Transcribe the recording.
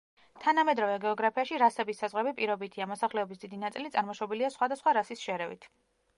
თანამედროვე გეოგრაფიაში რასების საზღვრები პირობითია, მოსახლეობის დიდი ნაწილი წარმოშობილია სხვადასხვა რასის შერევით.